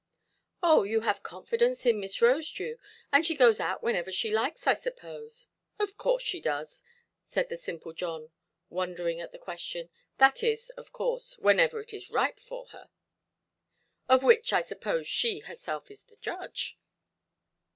"Oh, you have confidence in Miss Rosedew; and she goes out whenever she likes, I suppose"? "Of course she does", said the simple John, wondering at the question; "that is, of course, whenever it is right for her". "Of which, I suppose, she herself is the judge".